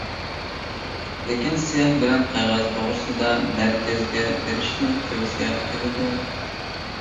لېكىن سىياھ بىلەن قەغەز توغرىسىدا مەركەزگە بېرىشنى تەۋسىيە قىلىدۇ.